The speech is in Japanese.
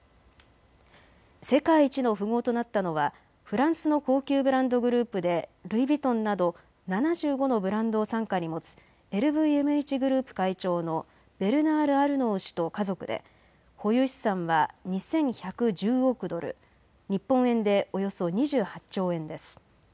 世界一の富豪となったのはフランスの高級ブランドグループでルイ・ヴィトンなど７５のブランドを傘下に持つＬＶＭＨグループ会長のベルナール・アルノー氏と家族で保有資産は２１１０億ドル、日本円でおよそ２８兆円です。